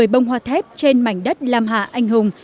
một mươi bông hoa thép trên mảnh đất lam hạ anh hùng